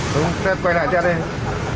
test quay lại test đi